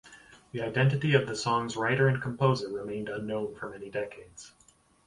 The identity of the song's writer and composer remained unknown for many decades.